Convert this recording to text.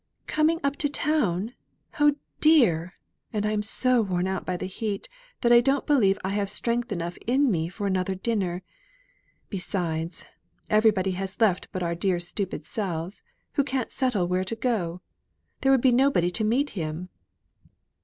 "Coming up to town! Oh dear! and I am so worn out by the heat that I don't believe I have strength enough in me for another dinner. Besides, everybody has left but our dear stupid selves, who can't settle where to go to. There would be nobody to meet him."